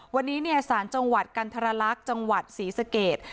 วันนี้สารจังหวัดกันทรลักษณ์จังหวัดศรีสเกต